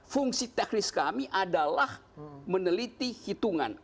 fungsi teknis kami adalah meneliti hitungan